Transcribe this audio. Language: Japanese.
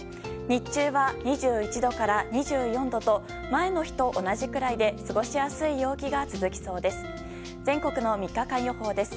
日中は２１度から２４度と前の日と同じくらいで過ごしやすい陽気が続きそうです。